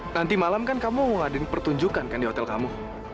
nanti malam kan kamu ngadiin pertunjukan kan di hotel kamu